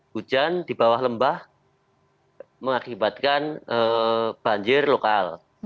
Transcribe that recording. hujan di bawah lembah mengakibatkan banjir lokal